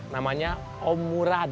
namanya om murad